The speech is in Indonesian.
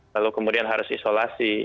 lalu kemudian harus isolasi